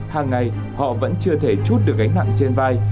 hàng ngày họ vẫn chưa thể chút được gánh nặng trên vai